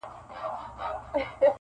غر او سمه د سركښو اولسونو-